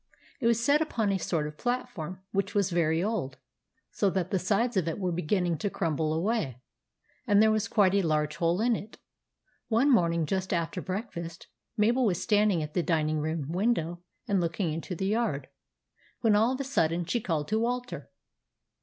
It was set upon a sort of platform which was very old, so that the sides of it were begin ning to crumble away, and there was quite a large hole in it. One morning, just after breakfast, Mabel was standing at the din ing room window and looking into the yard, when all of a sudden she called to Walter.